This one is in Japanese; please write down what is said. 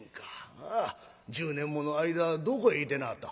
ああ１０年もの間どこへいてなはった？」。